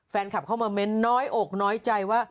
แฟนคลับเข้ามาเม้นน้อยอกน้อยใจว่า